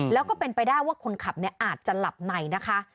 แล้วก็เป็นไปได้ว่าคนขับอาจจะหลับในนะคะ